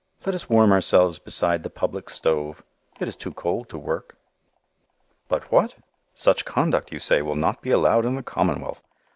Let us warm ourselves beside the public stove. It is too cold to work. But what? Such conduct, you say, will not be allowed in the commonwealth.